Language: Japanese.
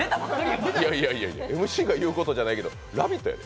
主が言うことじゃないけど「ラヴィット！」やで。